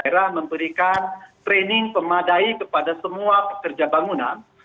daerah memberikan training pemadai kepada semua pekerja bangunan